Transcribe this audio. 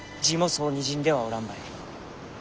字もそうにじんではおらんばい。